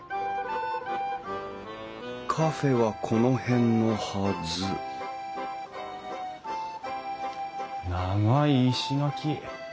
カフェはこの辺のはず長い石垣。